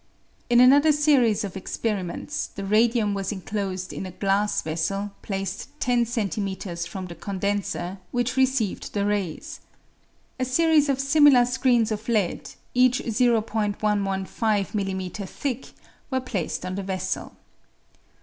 In another series of experiments the radium was enclosed in a glass vessel placed 10 cm. from the condenser which received the rays. A series of similar screens of lead each 0 115 m m thick were placed on the vessel.